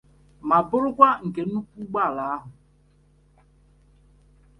ma bụrụkwa nke nnukwu ụgbọala ahụ